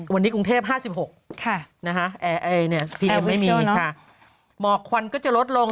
วันนี้กรุงเทพฯ๕๖นะฮะแอร์ไอพีเอ็มไม่มีค่ะเหมาะควันก็จะลดลง